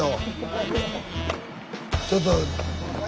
ちょっと。